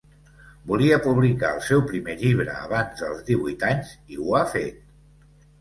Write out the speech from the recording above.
Volia publicar el seu primer llibre abans dels divuit anys i ho ha fet.